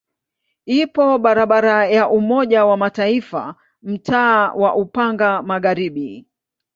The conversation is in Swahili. Ipo barabara ya Umoja wa Mataifa mtaa wa Upanga Magharibi.